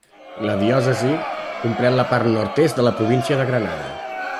La diòcesi comprèn la part nord-est de la província de Granada.